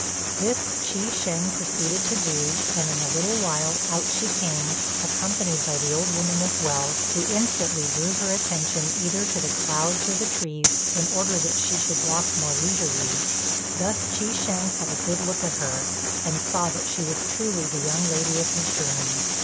This Chi shêng proceeded to do, and in a little while out she came, accompanied by the old woman as well, who instantly drew her attention either to the clouds or the trees, in order that she should walk more leisurely. Thus Chi shêng had a good look at her, and saw that she was truly the young lady of his dream.